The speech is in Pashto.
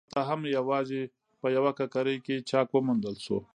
هلته هم یوازې په یوه ککرۍ کې چاک وموندل شو.